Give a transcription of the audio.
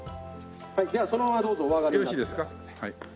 ではそのままどうぞお上がりになってください。